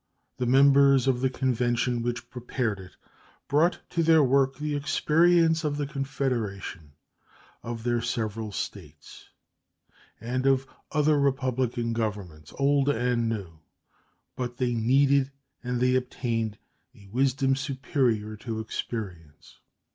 The members of the Convention which prepared it brought to their work the experience of the Confederation, of their several States, and of other republican governments, old and new; but they needed and they obtained a wisdom superior to experience.